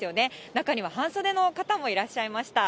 中には半袖の方もいらっしゃいました。